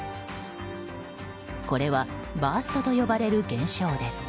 これはバーストと呼ばれる現象です。